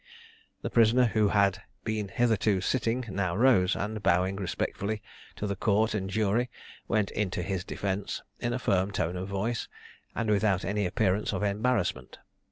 The prisoner, who had been hitherto sitting, now rose, and, bowing respectfully to the court and jury, went into his defence, in a firm tone of voice, and without any appearance of embarrassment.